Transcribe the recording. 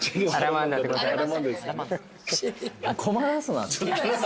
困らすな。